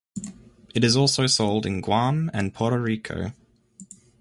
It is also sold in Guam and Puerto Rico.